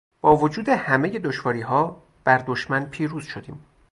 با وجود همهی دشواریها بر دشمن پیروز شدیم.